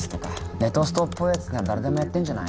ネトストっぽいヤツなら誰でもやってんじゃない？